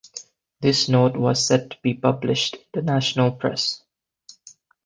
This note was set to be published in the national press.